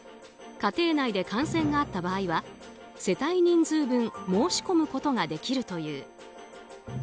家庭内で感染があった場合は世帯人数分申し込むことができるという。